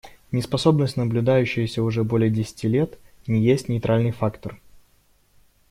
Неспособность, наблюдающаяся уже больше десяти лет, не есть нейтральный фактор.